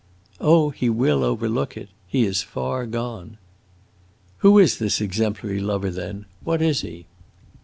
"Oh, he will overlook it. He is far gone." "Who is this exemplary lover, then; what is he?"